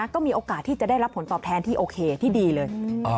ก็มีโอกาสที่จะได้รับผลตอบแทนที่โอเคที่ดีเลย